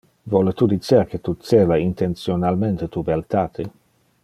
Vole tu dicer que tu cela intentionalmente tu beltate?